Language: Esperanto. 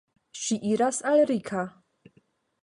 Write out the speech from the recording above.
Ŝi iras al Rika.